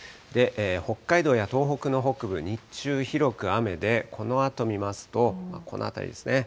北海道や東北の北部、日中広く雨で、このあと見ますと、この辺りですね。